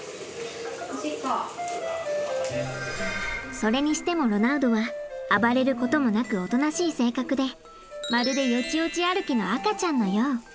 それにしてもロナウドは暴れることもなくおとなしい性格でまるでよちよち歩きの赤ちゃんのよう。